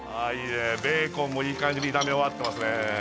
ベーコンもいい感じに炒め終わってますね。